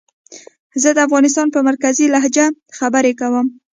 زه د افغانستان په مرکزي لهجه خبرې کووم